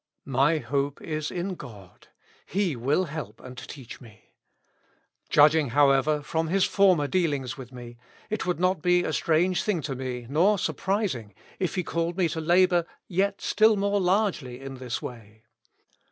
"My hope is in God : He will help and teach me. Judging, however, from His former dealings with me, it would not be a strange thing to me, nor surprising, if He called me to labor yet still more largely in this way.